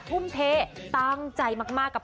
ทุ่มเทตั้งใจมากกับ